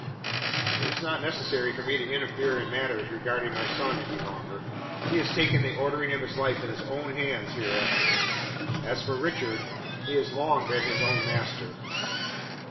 "It is not necessary for me to interfere in matters regarding my son any longer. He has taken the ordering of his life in his own hands hereafter. As for Richard, he has long been his own master."